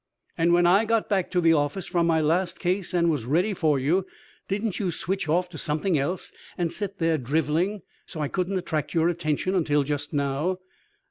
"And when I got back to the office from my last case and was ready for you, didn't you switch off to something else and sit there driveling so I couldn't attract your attention until just now?"